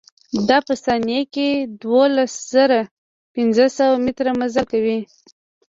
دا په ثانيه کښې دولز زره پنځه سوه مټره مزل کوي.